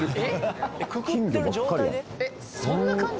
えっそんな感じ？